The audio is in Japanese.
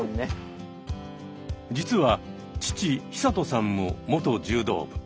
実は父久人さんも元柔道部。